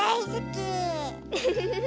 ウフフフフ！